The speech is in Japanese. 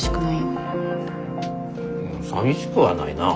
さみしくはないな。